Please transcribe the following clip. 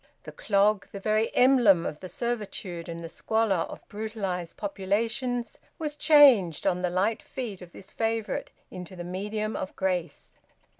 The clog, the very emblem of the servitude and the squalor of brutalised populations, was changed, on the light feet of this favourite, into the medium of grace.